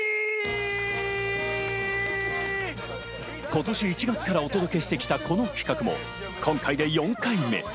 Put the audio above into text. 今年１月からお届けしてきたこの企画も今回で４回目。